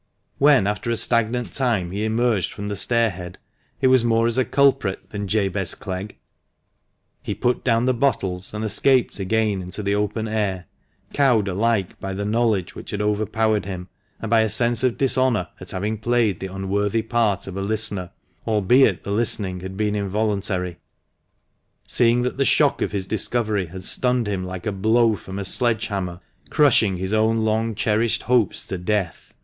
When after a stagnant time he emerged from the stairhead, it was more as a culprit than Jabez Clegg. He put down the bottles and escaped again into the open air, cowed alike by the knowledge which had overpowered him, and by a sense oi dishonour at having played the unworthy part of a listener, albeit the listening had been involuntary, seeing that the shock of his discovery had stunned him like a blow from a sledge hammer, crushing his own long cherished hopes to death.